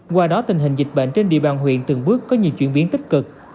qua đó tình hình dịch bệnh trên địa bàn huyện từng bước có nhiều chuyển biến tích cực